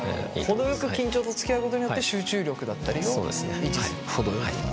程よく緊張とつきあうことによって集中力だったりを維持すると。